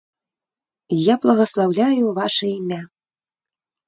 Я благаслаўляю ваша імя.